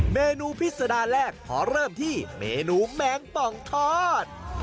เมนูพิษดาแรกขอเริ่มที่เมนูแมงป่องทอด